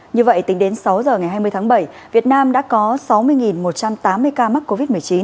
như vậy tính đến sáu giờ ngày hai mươi tháng bảy việt nam đã có sáu mươi một trăm tám mươi ca mắc covid một mươi chín